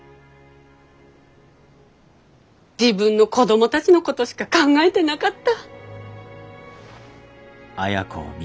自分の子供たちのことしか考えてなかった。